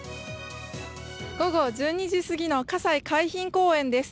午後１２時すぎの葛西海浜公園です。